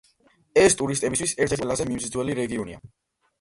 ეს ტურისტებისთვის ერთ-ერთი ყველაზე მიმზიდველი რეგიონია.